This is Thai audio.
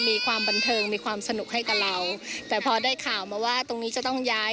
มีความบันเทิงมีความสนุกให้กับเราแต่พอได้ข่าวมาว่าตรงนี้จะต้องย้าย